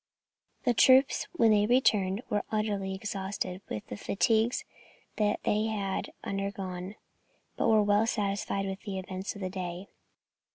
The troops, when they returned, were utterly exhausted with the fatigues that they had undergone, but were well satisfied with the events of the day.